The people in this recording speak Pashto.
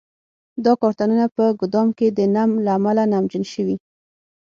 دا کارتنونه په ګدام کې د نم له امله نمجن شوي.